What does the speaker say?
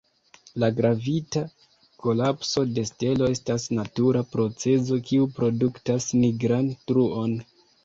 La gravita kolapso de stelo estas natura procezo kiu produktas nigran truon.